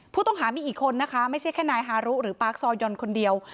ผู้ต้องหามีอีกคนนะคะไม่ใช่แค่นายฮารุหรือปาร์คซอยอนคนเดียว